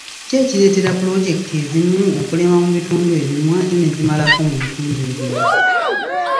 Ki ekireetera puloojekiti ezimu okulema mu bitundu ebimu ate ne zimalako mu bitundu ebirala?